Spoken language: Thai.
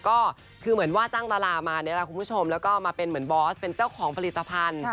ก็คือเหมือนว่าจ้างตลาดมาแล้วก็มาเป็นเหมือนบอสเป็นเจ้าของผลิตภัณฑ์